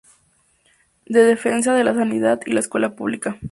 De Defensa de la Sanidad y la Escuela Pública.